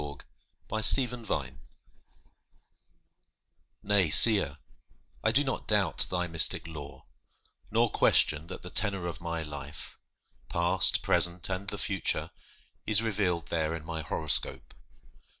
TO AN ASTROLOGER Nay, seer, I do not doubt thy mystic lore, Nor question that the tenor of my life, Past, present, and the future, is revealed There in my horoscope.